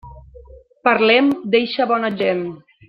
Parlem d'eixa bona gent.